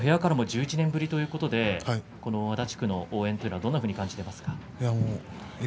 部屋からも１１年ぶりということで足立区の応援というのはどんなふうに感じていますか？